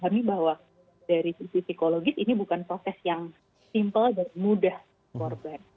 kami bahwa dari sisi psikologis ini bukan proses yang simple dan mudah korban